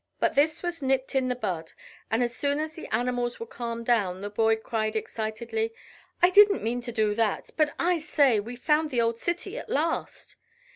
But this was nipped in the bud, and as soon as the animals were calmed down, the boy cried excitedly "I didn't mean to do that. But, I say, we've found the old city at last."